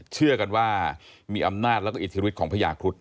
เชื่อกันว่ามีอำนาจและอิทธิวิตของพระยาครุฑ